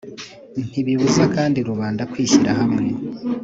ntibibuza kandi rubanda kwishyira hamwe